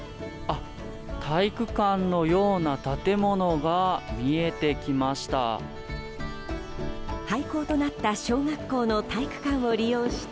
体育館のような建物が見えてきました。